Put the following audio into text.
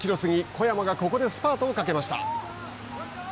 小山がここでスパートをかけました。